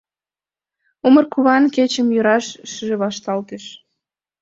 Умыр куван кечым йӱран шыже вашталтыш.